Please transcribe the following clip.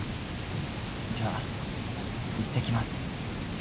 じゃあいってきます。